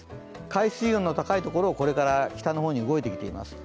海水温の高いところをこれから北の方へ動いていきます。